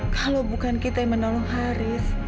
kalau bukan kita yang menolong haris